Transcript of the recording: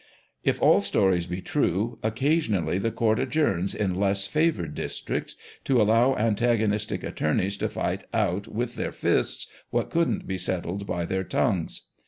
If all stories be true, occasionally the court adjourns in less favoured districts, to allow antagonistic attorneys to fight out with their fists what couldn't be settled by their tongues.